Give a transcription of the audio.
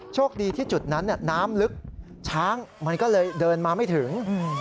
โชคดีที่จุดนั้นน้ำลึกช้างมันก็เลยเดินมาไม่ถึง